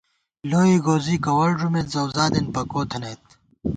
لوئے گوزی کَوَڑ ݫُمېت ، زؤزادېن پَکو تھنَئیت